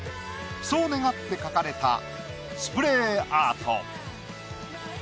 そう願って描かれたスプレーアート。